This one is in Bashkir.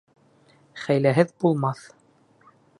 Хәйләһеҙ булмаҫ.